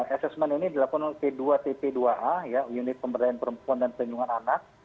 assessment ini dilakukan oleh p dua tp dua a unit pemberdayaan perempuan dan pelindungan anak